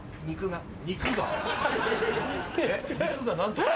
肉が？